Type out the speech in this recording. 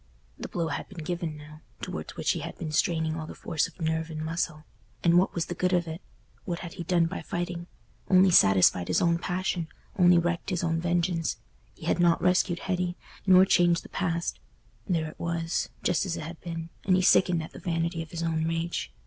The blow had been given now, towards which he had been straining all the force of nerve and muscle—and what was the good of it? What had he done by fighting? Only satisfied his own passion, only wreaked his own vengeance. He had not rescued Hetty, nor changed the past—there it was, just as it had been, and he sickened at the vanity of his own rage.